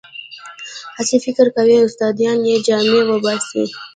هسې فکر کوي استادان یې جامې وباسي.